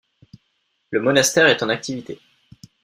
Le monastère est en activité.